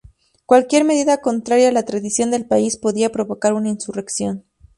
Cualquier medida contraria a la tradición del país podía provocar una insurrección.